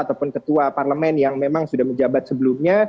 ataupun ketua parlemen yang memang sudah menjabat sebelumnya